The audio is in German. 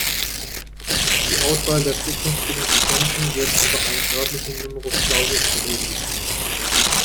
Die Auswahl der zukünftigen Studenten wird über einen örtlichen Numerus clausus geregelt.